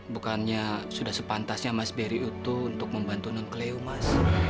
bukannya sudah sepantasnya mas beri utuh untuk membantu non kleo mas